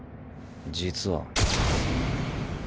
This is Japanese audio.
実は。